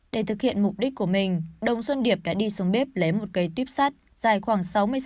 để thực hiện mục đích của mình đồng xuân điệp đã đi xuống bếp lấy một cây tuyếp sắt dài khoảng sáu mươi sáu